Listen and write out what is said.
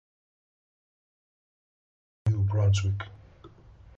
She studied at the University of New Brunswick.